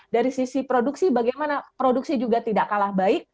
dari sisi produksi bagaimana produksi juga tidak kalah baik